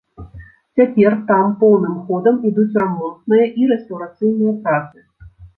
Цяпер там поўным ходам ідуць рамонтныя і рэстаўрацыйныя працы.